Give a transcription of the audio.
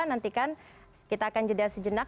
nantikan kita akan jeda sejenak